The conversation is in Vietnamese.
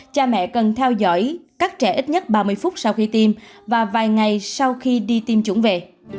cha mẹ cần theo dõi các trẻ ít nhất ba mươi phút sau khi tiêm và vài ngày sau khi đi tiêm chủng về